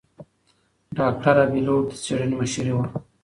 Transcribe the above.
ډاکتره بېلوت د څېړنې مشرې وه.